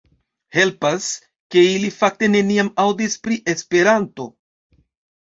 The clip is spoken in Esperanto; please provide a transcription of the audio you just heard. Helpas, ke ili fakte neniam aŭdis pri Esperanto.